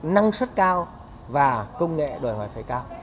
năng suất cao và công nghệ đòi hỏi phải cao